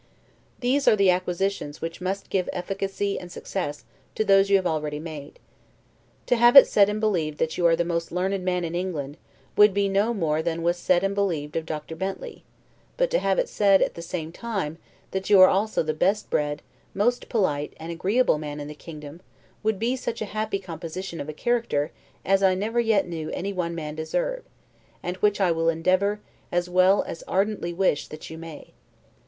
These are the acquisitions which must give efficacy and success to those you have already made. To have it said and believed that you are the most learned man in England, would be no more than was said and believed of Dr. Bentley; but to have it said, at the same time, that you are also the best bred, most polite, and agreeable man in the kingdom, would be such a happy composition of a character as I never yet knew any one man deserve; and which I will endeavor, as well as ardently wish, that you may.